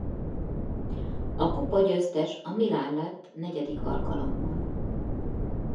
A kupagyőztes a Milan lett negyedik alkalommal.